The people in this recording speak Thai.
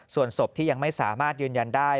ส่วนศพที่ยังไม่สามารถยืนยันได้